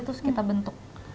terus kita bentuk